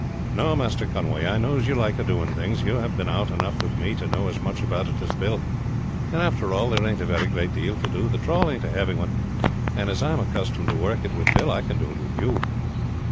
"No, Master Conway, I knows you like a doing things. You have been out enough with me to know as much about it as Bill, and after all there ain't a very great deal to do. The trawl ain't a heavy one, and as I am accustomed to work it with Bill I can do it with you."